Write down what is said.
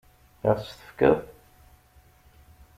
Ad ɣ-tt-tefkeḍ?